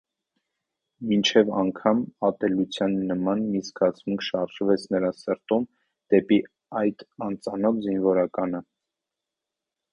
Մինչև անգամ ատելության նման մի զգացմունք շարժվեց նրա սրտում դեպի այդ անծանոթ զինվորականը: